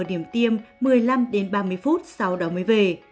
điểm tiêm một mươi năm đến ba mươi phút sau đó mới về